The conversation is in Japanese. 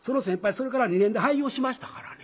それから２年で廃業しましたからね。